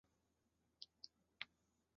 郑绥挟持黎槱退往安朗县。